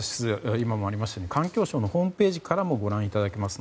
今もありましたように環境省のホームページからもご覧いただけます。